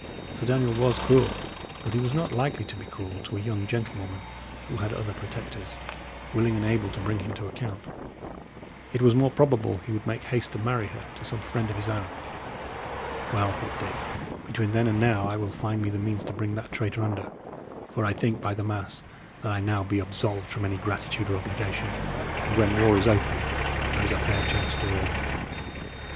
Sir Daniel was cruel, but he was not likely to be cruel to a young gentlewoman who had other protectors, willing and able to bring him to account. It was more probable he would make haste to marry her to some friend of his own. "Well," thought Dick, "between then and now I will find me the means to bring that traitor under; for I think, by the mass, that I be now absolved from any gratitude or obligation; and when war is open, there is a fair chance for all."